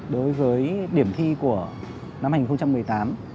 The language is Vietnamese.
đối với điểm thi của năm hai nghìn một mươi tám